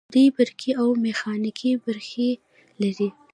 دوی برقي او میخانیکي برخې لري.